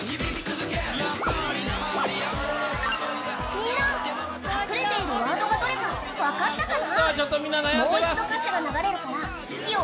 みんな、隠れているワードがどれか分かったかな。